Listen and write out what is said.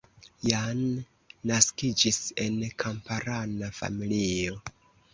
Jan naskiĝis en kamparana familio.